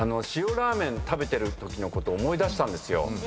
塩らーめん食べてるときのこと思い出したんですよ。